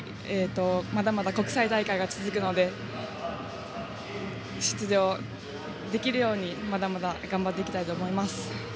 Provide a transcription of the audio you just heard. まだまだ国際大会が続くので出場できるようにまだまだ頑張っていきたいと思います。